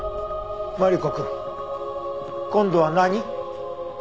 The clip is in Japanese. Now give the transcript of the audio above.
マリコくん今度は何？